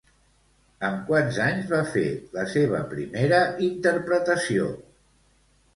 Amb quants anys va fer la seva primera interpretació?